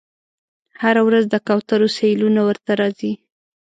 هره ورځ د کوترو سیلونه ورته راځي